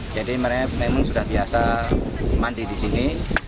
jadi mereka memang sudah biasa mandi di sini